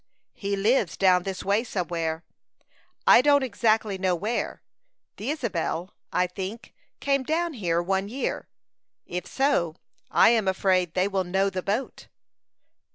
"He lives down this way somewhere I don't exactly know where. The Isabel, I think, came down here one year; if so, I am afraid they will know the boat."